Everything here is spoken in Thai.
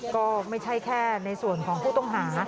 ก็ไม่ใช่แค่ในส่วนของผู้ต้องหา